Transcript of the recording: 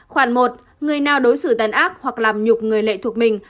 khoảng một người nào đối xử tàn ác hoặc làm nhục người lệ thuộc mình